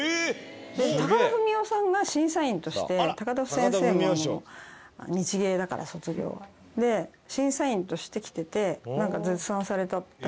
高田文夫さんが審査員として高田先生も日芸だから卒業は。で審査員として来ててなんか絶賛されたらしいです。